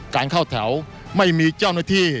เข้าแถวไม่มีเจ้าหน้าที่